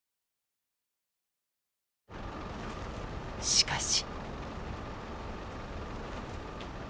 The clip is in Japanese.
しかし。